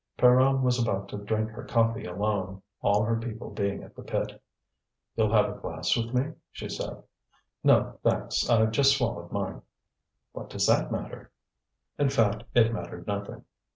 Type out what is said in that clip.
Pierronne was about to drink her coffee alone, all her people being at the pit. "You'll have a glass with me?" she said. "No, thanks; I've just swallowed mine." "What does that matter?" In fact, it mattered nothing.